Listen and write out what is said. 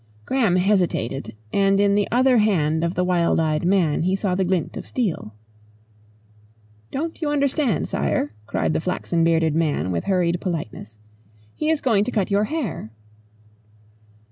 Graham hesitated, and in the other hand of the wild eyed man he saw the glint of steel. "Don't you understand, Sire?" cried the flaxen bearded man with hurried politeness. "He is going to cut your hair."